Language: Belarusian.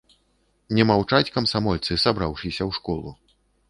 Не маўчаць камсамольцы, сабраўшыся ў школу.